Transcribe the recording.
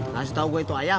ngasih tau gue itu ayam